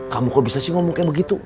kamu kok bisa sih ngomong kayak begitu